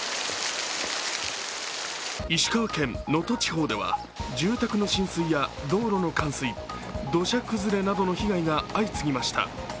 石川県・能登地方では住宅の浸水や道路の冠水、土砂崩れなどの被害が相次ぎました。